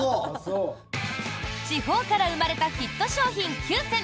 地方から生まれたヒット商品９選。